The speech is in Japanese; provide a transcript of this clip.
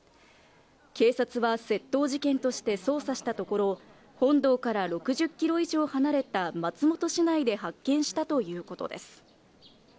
警察は窃盗事件として捜査したところ、本堂から６０キロ以上離れた松本市内で発見したということです。